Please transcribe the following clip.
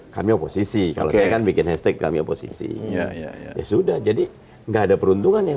kami oposisi kalau saya kan bikin hashtag kami oposisi ya sudah jadi enggak ada peruntungan yang